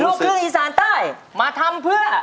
ลูกครึ่งอีสานใต้มาทำเพื่อ